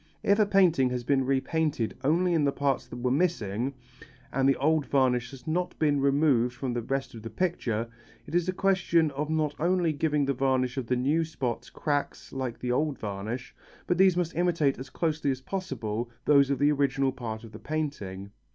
If a painting has been repainted only in the parts that were missing, and the old varnish has not been removed from the rest of the picture, it is a question of not only giving the varnish of the new spots cracks like the old varnish, but these must imitate as closely as possible those of the original part of the painting.